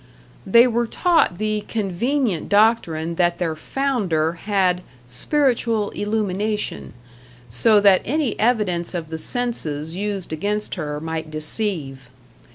They were taught the convenient doctrine that their Founder had "spiritual illumination", so that any evidence of the senses used against her might deceive.